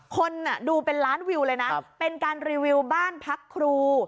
คนดูเป็นล้านวิวเลยนะเป็นการรีวิวบ้านพักครู